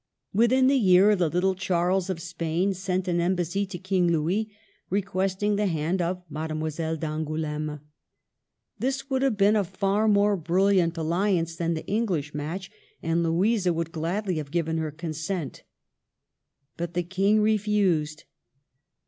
Within the year the little Charles of Spain sent an embassy to King Louis, requesting the hand of Mademoiselle d'Angouleme. This would have been a far more brilliant alliance than the English match, and Louisa would gladly have given her consent. But the King refused.